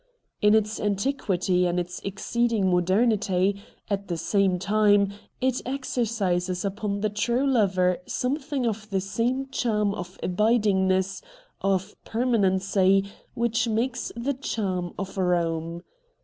In its antiquity and its exceeding modernity, at the same time, it exercises upon the true lover something of the same charm of abidingness, of permanency, which makes the charm of Eome.